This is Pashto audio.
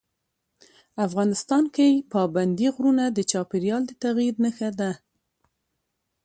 افغانستان کې پابندي غرونه د چاپېریال د تغیر نښه ده.